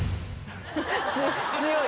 強い。